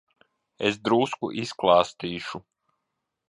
Es drusku izklāstīšu.